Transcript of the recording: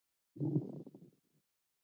د میاشتنۍ ناروغۍ د ځنډ لپاره کوم چای وڅښم؟